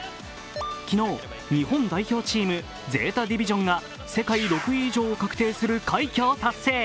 昨日、日本代表チームＺＥＴＡＤＩＶＩＳＩＯＮが世界６位以上を確定する快挙を達成